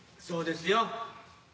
そうですよ。